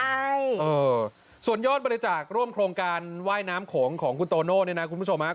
ใช่เออส่วนยอดบริจาคร่วมโครงการว่ายน้ำโขงของคุณโตโน่เนี่ยนะคุณผู้ชมฮะ